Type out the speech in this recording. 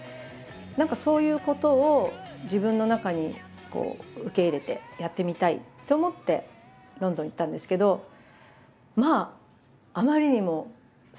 そういうことを自分の中に受け入れてやってみたいと思ってロンドン行ったんですけどまああまりにも世界はでかすぎて。